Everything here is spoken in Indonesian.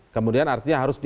kemudian artinya harus